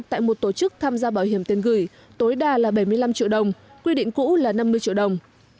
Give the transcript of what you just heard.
tại một tổ chức tham gia bảo hiểm tiền gửi tối đa là bảy mươi năm triệu đồng quy định cũ là năm mươi triệu đồng